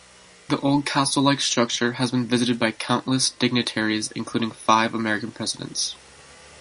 The old castle-like structure has been visited by countless dignitaries including five American Presidents.